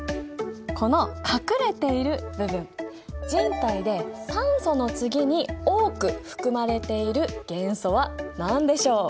この隠れている部分人体で酸素の次に多く含まれている元素は何でしょう？